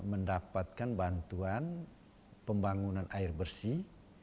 mendapatkan bantuan pembangunan air bersih